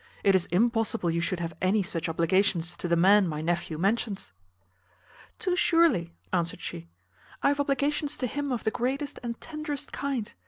It is impossible you should have any such obligations to the man my nephew mentions." "Too surely," answered she, "I have obligations to him of the greatest and tenderest kind.